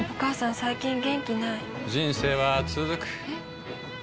最近元気ない人生はつづくえ？